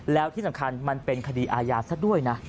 แล้วที่สำคัญมันเป็นคดีอาญาซะด้วยนะ